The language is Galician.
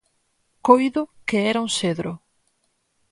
coido que era un cedro.